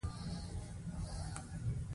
د خلکو ویښتیا تلقین مکلفیت ور په غاړه وي.